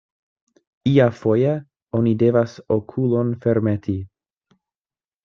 Iafoje oni devas okulon fermeti.